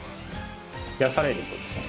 冷やされるとですね